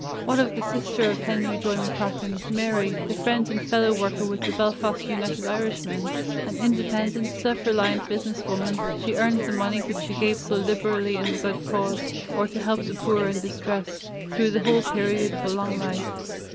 What of the sister of Henry Joy McCracken, Mary, the friend and fellow worker with the Belfast United Irishmen? An independent, self reliant business woman, she earned the money which she gave so liberally in the good cause, or to help the poor and distressed, through the whole period of a long life.